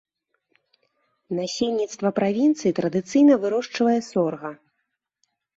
Насельніцтва правінцыі традыцыйна вырошчвае сорга.